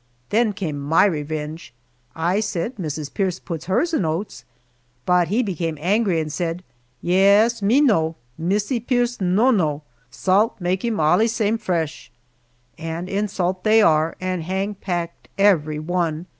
Then came my revenge. I said, "Mrs. Pierce puts hers in oats," but he became angry and said, "Yes, me know Missee Pleese no know slalt makee him allee same flesh." And in salt they are, and Hang packed every one.